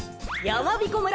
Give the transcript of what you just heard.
やまびこ村